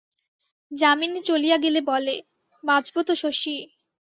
যামিনী চলিয়া গেলে বলে, বাঁচব তো শশী?